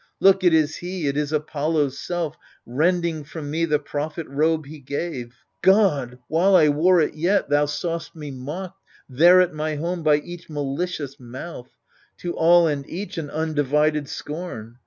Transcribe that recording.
Look ! it is he, it is Apollo's self Rending from me the prophet robe he gave. God ! while I wore it yet, thou saw'st me mocked There at my home by each malicious mouth — To all and each, an undivided scorn.